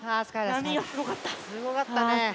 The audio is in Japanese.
すごかったね。